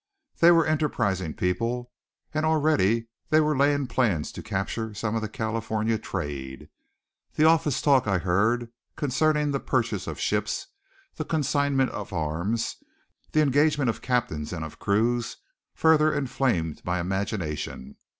They were enterprising people, and already they were laying plans to capture some of the California trade. The office talk I heard concerning the purchase of ships, the consignment of arms, the engagement of captains and of crews further inflamed my imagination.